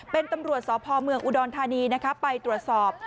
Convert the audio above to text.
เป็นตำรวจสพเมืองอุดรธานีไปตรวจสอบ